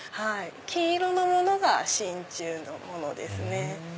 金色のものが真ちゅうのものですね。